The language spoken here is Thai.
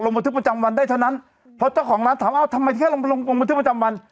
บันทึกประจำวันได้เท่านั้นพอเจ้าของร้านถามว่าทำไมแค่ลงลงบันทึกประจำวัน